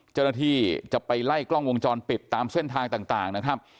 เจ้าหน้าที่จะไปไล่กล้องวงจรปิดตามเส้นทางต่างนะครับ